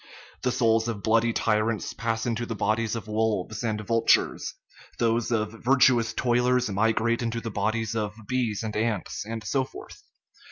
The souls of bloody ty rants pass into the bodies of wolves and vultures, those of virtuous toilers migrate into the bodies of bees and ants, and so forth.